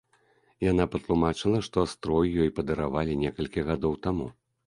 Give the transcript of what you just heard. Яна патлумачыла, што строй ёй падаравалі некалькі гадоў таму.